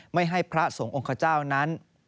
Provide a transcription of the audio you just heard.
ไม่ให้พระส่งองค์ข้าวนั้น